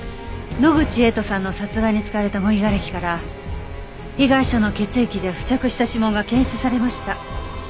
野口栄斗さんの殺害に使われた模擬瓦礫から被害者の血液で付着した指紋が検出されました。